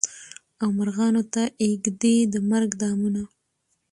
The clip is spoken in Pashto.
او مرغانو ته ایږدي د مرګ دامونه